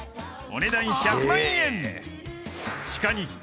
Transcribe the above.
［お値段１００万円］